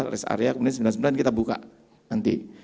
rest area kemudian sembilan puluh sembilan kita buka nanti